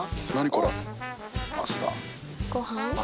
これ。